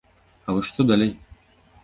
А вось што далей?